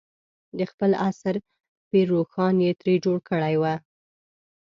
د خپل عصر پير روښان یې ترې جوړ کړی و.